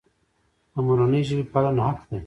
د مورنۍ ژبې پالنه حق دی.